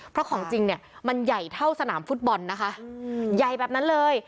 เพราะของจริงเนี่ยมันใหญ่เท่าสนามฟุตบอลนะคะใหญ่แบบนั้นเลย